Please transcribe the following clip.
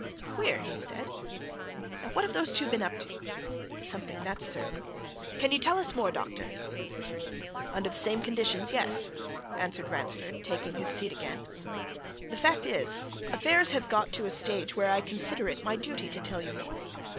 "Queer!" he said. "Now what have those two been up to? something, that's certain. Can you tell us more, doctor?" "Under the same conditions yes," answered Ransford, taking his seat again. "The fact is, affairs have got to a stage where I consider it my duty to tell you more.